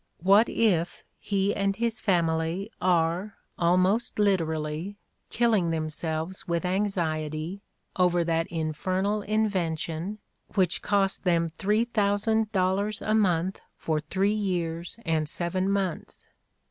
What if he and his family are, almost literally, killing themselves with anxiety over that infernal in vention, which cost them three thousand dollars a month for three years and seven months?